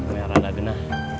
biar agak kena